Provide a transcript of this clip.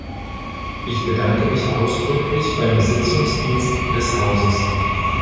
Ich bedanke mich ausdrücklich beim Sitzungsdienst des Hauses.